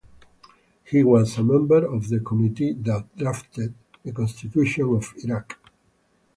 He was a member of the committee that drafted the Constitution of Iraq.